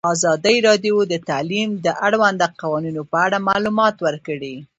ازادي راډیو د تعلیم د اړونده قوانینو په اړه معلومات ورکړي.